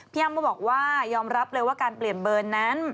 อ้ำก็บอกว่ายอมรับเลยว่าการเปลี่ยนเบอร์นั้น